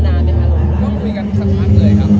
แล้วก็ไม่รู้ไม่มีเวลาเตรียมงาน